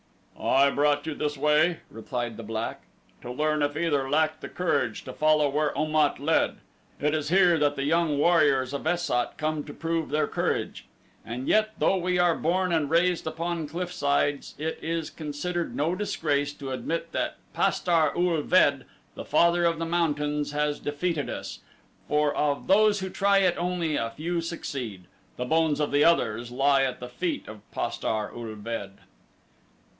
"I brought you this way," replied the black, "to learn if either lacked the courage to follow where Om at led. It is here that the young warriors of Es sat come to prove their courage. And yet, though we are born and raised upon cliff sides, it is considered no disgrace to admit that Pastar ul ved, the Father of Mountains, has defeated us, for of those who try it only a few succeed the bones of the others lie at the feet of Pastar ul ved."